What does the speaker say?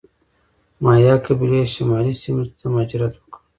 مایا قبیلې شمالي سیمو ته مهاجرت وکړ.